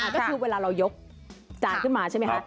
ก็คือเวลาเรายกจานขึ้นมาใช่ไหมคะ